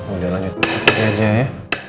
udah langit seperti aja ya